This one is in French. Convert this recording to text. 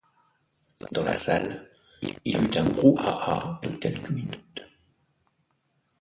Dans la salle, il y eut un brouhaha de quelques minutes.